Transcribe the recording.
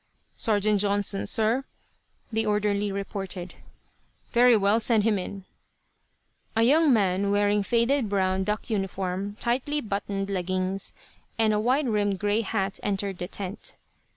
"Sergeant Johnson, sir," the orderly reported. "Very well. Send him in." A young man, wearing a faded brown duck uniform, tightly buttoned leggings, and a wide rimmed gray hat, entered the tent.